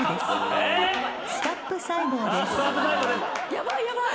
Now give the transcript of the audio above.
ヤバいヤバい！